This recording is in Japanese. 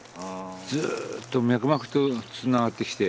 ずっと脈々とつながってきて